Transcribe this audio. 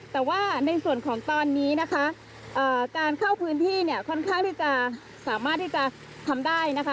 แต่ว่าในส่วนของตอนนี้นะคะการเข้าพื้นที่เนี่ยค่อนข้างที่จะสามารถที่จะทำได้นะคะ